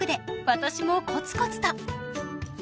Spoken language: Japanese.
［私もコツコツと］